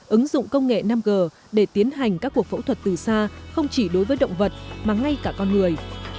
ứng dụng công nghệ năm g để tiến hành các cuộc phẫu thuật từ xa không chỉ đối với động vật mà ngay cả con người